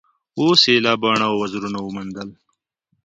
اوس یې ایله باڼه او وزرونه وموندل